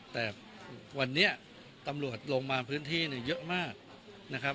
แต่วันนี้ตำรวจลงมาพื้นที่เนี่ยเยอะมากนะครับ